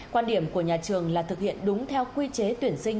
quan điểm của nhà trường là thực hiện đúng theo quy chế tuyển sinh